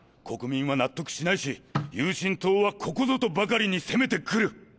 国民は納得しないし友進党はここぞとばかりに責めて来る！